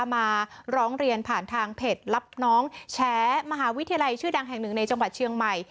มาร้องเรียนผ่านทางเพจรับน้องแชร์มหาวิทยาลัยชื่อดังแห่งหนึ่งในจังหวัดเชียงใหม่